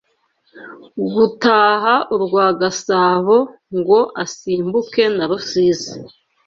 Gutaha urwa Gasabo Ngo asimbuke na Rusizi